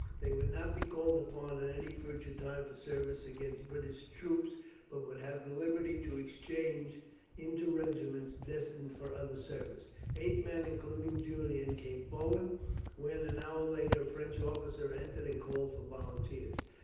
They would not be called upon at any future time for service against British troops, but would have the liberty to exchange into regiments destined for other service. Eight men, including Julian, came forward, when, an hour later, a French officer entered and called for volunteers.